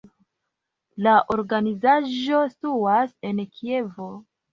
La organizaĵo situas en Kievo.